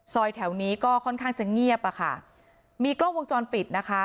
แถวนี้ก็ค่อนข้างจะเงียบอะค่ะมีกล้องวงจรปิดนะคะ